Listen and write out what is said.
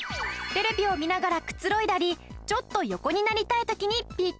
テレビを見ながらくつろいだりちょっと横になりたい時にピッタリ。